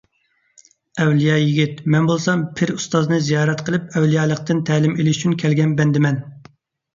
ئەۋلىيا يىگىت، مەن بولسام پىر ئۇستازنى زىيارەت قىلىپ ئەۋلىيالىقتىن تەلىم ئېلىش ئۈچۈن كەلگەن بەندىمەن.